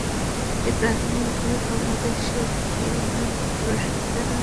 এটি প্রাথমিকভাবে বাংলাদেশ কৃষি উন্নয়ন কর্পোরেশন দ্বারা উৎপাদিত প্রত্যয়িত বীজ সংস্থা।